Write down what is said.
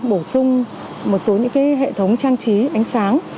bổ sung một số những hệ thống trang trí ánh sáng